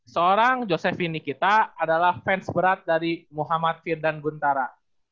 seorang josephin nikita adalah fans berat dari muhammad firdan guntara